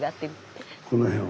この辺は。